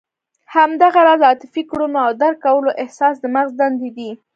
همدغه راز عاطفي کړنو او درک کولو احساس د مغز دندې دي.